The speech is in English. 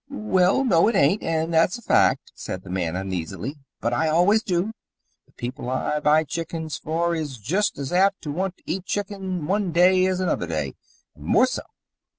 "Well, no, it ain't, and that's a fact," said the man uneasily. "But I always do. The people I buy chickens for is just as apt to want to eat chicken one day as another day and more so.